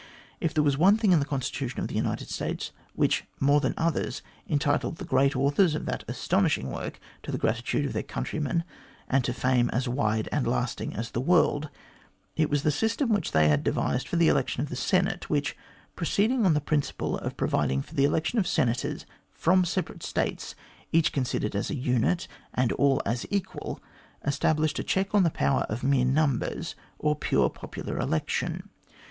If there was one thing in the constitution of the United States which more than others entitled the great authors of that astonishing work to the gratitude of their countrymen, and to fame as wide and lasting as the world, it was the system which they had devised for the election of the Senate, which, proceeding on the principle of providing for the election of Senators from separate States, each considered as a unit and all as equal, established a check on the power of mere numbers or pure popular election.